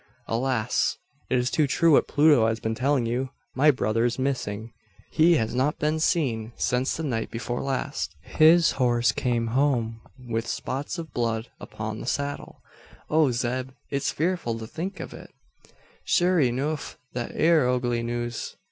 "Alas! it is too true what Pluto has been telling you. My brother is missing. He has not been seen since the night before last. His horse came home, with spots of blood upon the saddle. O Zeb! it's fearful to think of it!" "Sure enuf that air ugly news.